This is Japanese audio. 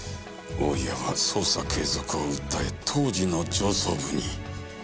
大岩は捜査継続を訴え当時の上層部に啖呵を切った。